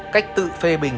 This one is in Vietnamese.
cách tự phê bình